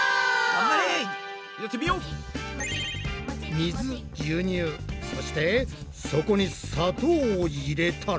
水牛乳そしてそこに砂糖を入れたら。